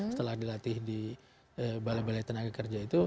setelah dilatih di balai balai tenaga kerja itu